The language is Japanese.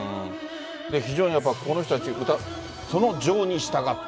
非常にやっぱこの人たち、歌、その情に従って。